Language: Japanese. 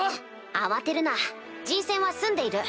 慌てるな人選は済んでいる。